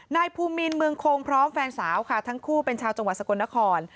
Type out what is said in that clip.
นายภูมินเมืองคงพร้อมแฟนสาวค่ะทั้งคู่เป็นชาวจังหวัดสกลนคร